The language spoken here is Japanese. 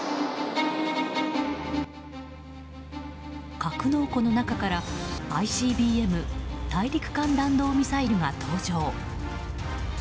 格納庫の中からＩＣＢＭ・大陸間弾道ミサイルが登場。